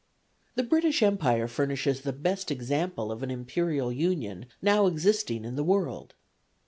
The British Empire furnishes the best example of an imperial union now existing in the world.